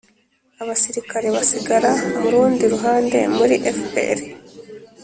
abasirikare basigara mu rundi ruhande muri fpr